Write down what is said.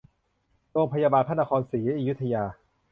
โรงพยาบาลพระนครศรีอยุธยา